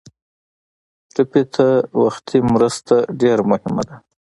ټپي ته وختي مرسته ډېره مهمه ده.